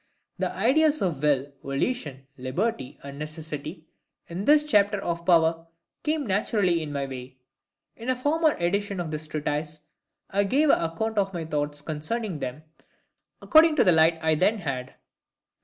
The ideas of will, volition, liberty, and necessity, in this Chapter of Power, came naturally in my way. In a former edition of this Treatise I gave an account of my thoughts concerning them, according to the light I then had.